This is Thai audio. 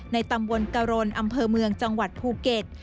ตำบลกรณอำเภอเมืองจังหวัดภูเก็ต